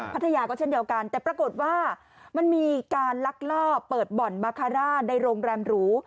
พัทยาก็เช่นเดียวกันแต่ปรากฏว่ามันมีการลักลอบเปิดบ่อนบาคาร่าในโรงแรมหรู